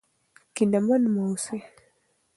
کینمن مه اوسئ.